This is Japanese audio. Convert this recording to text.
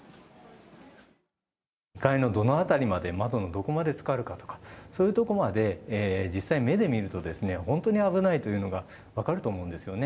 ２階のどの辺りまで、窓のどこまでつかるかとか、そういうところまで実際目で見ると、本当に危ないというのが分かると思うんですよね。